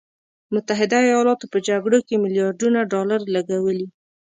متحده ایالاتو په جګړو کې میلیارډونه ډالر لګولي.